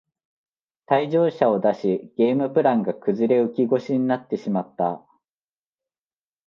退場者を出しゲームプランが崩れ浮き腰になってしまった